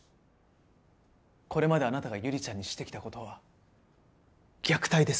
これまであなたが悠里ちゃんにしてきた事は虐待です。